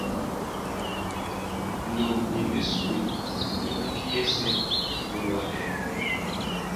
Ndóm nie ndé súe ní búkí yɛ́sɛ̄ ŋgolowakɛ.